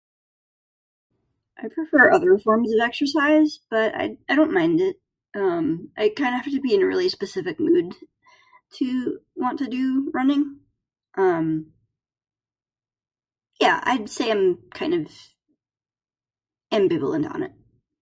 I prefer other forms of exercise, but I I don't mind it. Um, I kinda have to be in a really specific mood to- not to do running. Um, yeah, I'd say I'm kind of ambivalent on it.